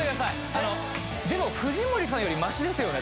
あのでも藤森さんよりマシですよね